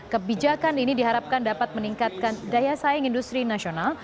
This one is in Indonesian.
kebijakan ini diharapkan dapat meningkatkan daya saing industri nasional